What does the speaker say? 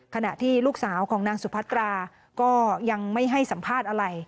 ขณะที่ลูกสาวของนางสุพัตราก็ยังไม่ให้สัมภาษณ์อะไร